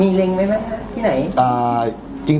มีเร่งไปไหมครับที่ไหน